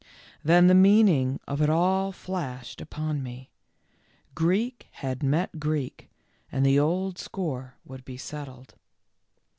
Then the meaning of it all flashed upon me. w Greek had met Greek " and the old score would be settled.